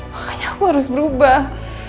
makanya aku harus berubah